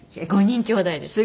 ５人きょうだいです。